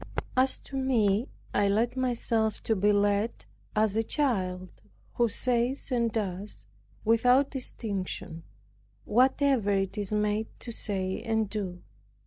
As to me, I let myself be led as a child, who says and does, without distinction, whatever it is made to say and do.